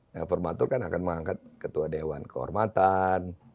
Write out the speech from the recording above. nah formatur kan akan mengangkat ketua dewan kehormatan